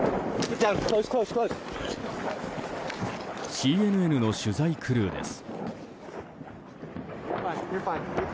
ＣＮＮの取材クルーです。